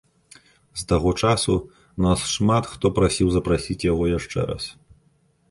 З таго часу нас шмат хто прасіў запрасіць яго яшчэ раз.